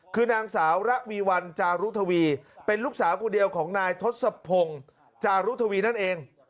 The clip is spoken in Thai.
คือนางสาวระวีวันจารุทวีเป็นลูกสาวคนเดียวของนายทศพงจารุทวีนั่นเอง